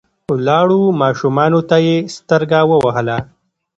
ولاړو ماشومانو ته يې سترګه ووهله.